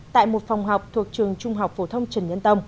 tại một phòng học thuộc trường trung học phổ thông trần nhân tông